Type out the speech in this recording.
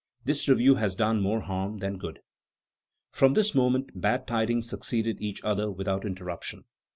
"This review has done more harm than good." From this moment bad tidings succeeded each other without interruption.